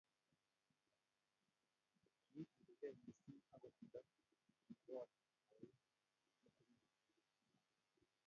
kiikiligei mising akot nto kikool oi kitikin kityo